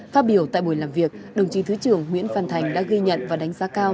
phát biểu tại buổi làm việc đồng chí thứ trưởng nguyễn văn thành đã ghi nhận và đánh giá cao